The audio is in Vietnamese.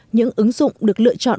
những ứng dụng được lựa chọn